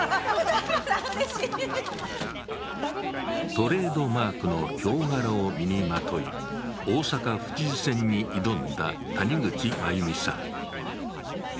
トレードマークのひょう柄を身にまとい大阪府知事選に挑んだ谷口真由美さん。